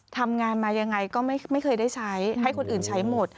ทำงานมายังไงก็ไม่เคยได้ใช้ให้คนอื่นใช้หมด